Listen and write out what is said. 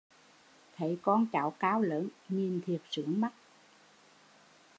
Thấy con cháu cao lớn, nhìn thiệt sướng mắt